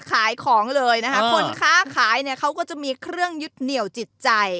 ขายของเลยนะคะคนค้าขายเนี่ยเขาก็จะมีเครื่องยึดเหนี่ยวจิตใจ